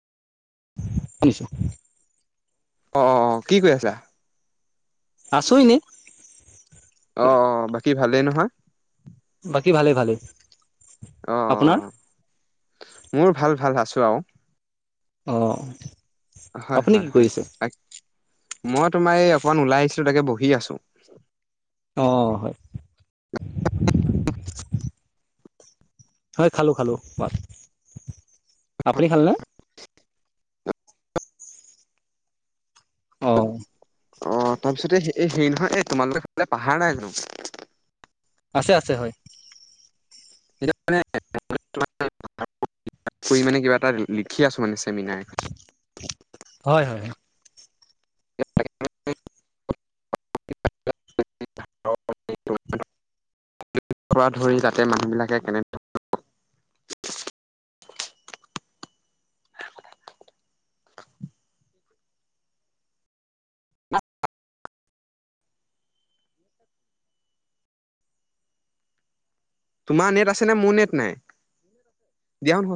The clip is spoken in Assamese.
তছো অ অ কি কৰি আছা আছোঁ এনে। অ'-অ' বাকী ভালেই নহয়। বাকী ভালেই-ভালেই অ', আপোনাৰ। অ', মোৰ ভাল- ভাল আছোঁ আওঁ। অ'। হয় আপুনি কি হয়- হয়- কৰিছে হয়। মই তোমাৰ এই অকমান ওলাই আহিছিলো তাকে বহি আছো। অ' হয়। হয় খালো- খালো ভাত আপুনি খালে ন। অ'। অ' তাৰ পিছতে এই হেৰি নহয় এ তোমালোকৰ সেইফালে পাহাৰ নাই জানো। আছে- আছে হয়। [unintelligible] মানে কিবা এটা লিখি আছো মানে চেমিনাৰ। হয়- হয়। [unintelligible] [unintelligible] [unintelligible] ধৰি যাতে মানুহবিলাকে কেনে [unintelligible] [unintelligible] তোমাৰ নেট আছে নে মোৰ নেট নাই, দিয়া